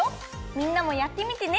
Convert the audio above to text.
みんなもやってみてね！